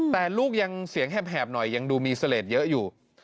แต่ลูกยังเสียงแหบหน่อยยังดูมีเสลดเยอะอยู่